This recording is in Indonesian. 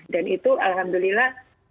dan itu alhamdulillah